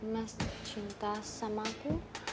mas cinta sama aku